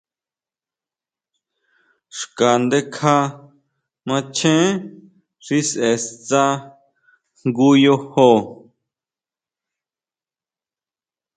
Xka ndekja macheén xi sʼe stsá jngu yojo.